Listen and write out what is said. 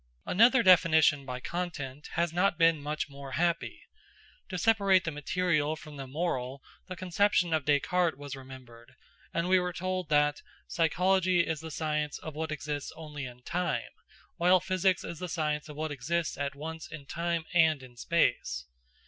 Another definition by content has not been much more happy. To separate the material from the moral, the conception of Descartes was remembered, and we were told that: "Psychology is the science of what exists only in time, while physics is the science of what exists at once in time and in space."